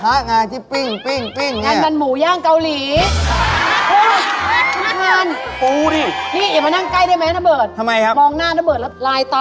วิ่งหยีบเลยวิ่งหยีบเลย